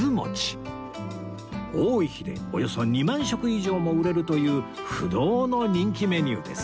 多い日でおよそ２万食以上も売れるという不動の人気メニューです